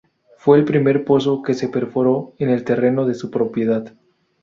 Fue el primer pozo que se perforó en el terreno de su propiedad.